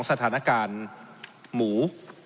สถานการณ์หมู